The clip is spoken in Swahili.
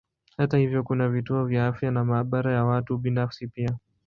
Hata hivyo kuna vituo vya afya na maabara ya watu binafsi pia.